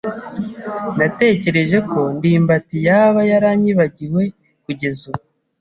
Natekereje ko ndimbati yaba yaranyibagiwe kugeza ubu.